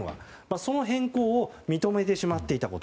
その変更を認めてしまっていたこと。